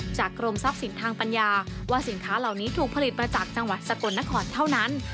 กรมทรัพย์สินทางปัญญาว่าสินค้าเหล่านี้ถูกผลิตมาจากจังหวัดสกลนครเท่านั้น